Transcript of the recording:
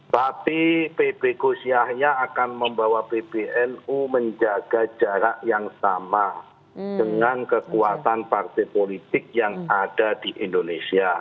tapi pb gus yahya akan membawa pbnu menjaga jarak yang sama dengan kekuatan partai politik yang ada di indonesia